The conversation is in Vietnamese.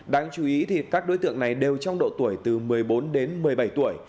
đáng chú ý thì các đối tượng này đều trong độ tuổi từ một mươi bốn đến một mươi bảy tuổi